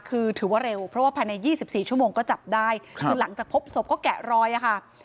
คือถือว่าเร็วเพราะว่าภายใน๒๔ชั่วโมงก็จับได้คือหลังจากพบศพก็แกะรอยอะค่ะ